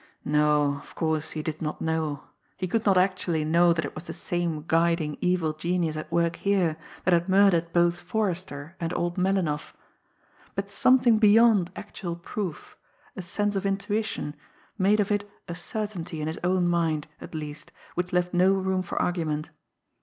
No, of course, he did not know, he could not actually know that it was the same guiding evil genius at work here that had murdered both Forrester and old Melinoff, but something beyond actual proof, a sense of intuition, made of it a certainty in his own mind, at least, which left no room for argument.